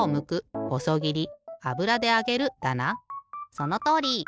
そのとおり！